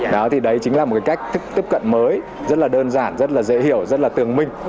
đó thì đấy chính là một cách tiếp cận mới rất là đơn giản rất là dễ hiểu rất là tương minh